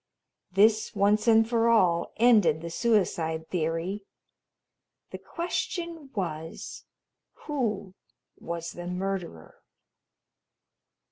This, once and for all, ended the suicide theory. The question was: Who was the murderer?